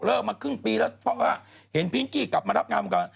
มาครึ่งปีแล้วเพราะว่าเห็นพิงกี้กลับมารับงานวงการ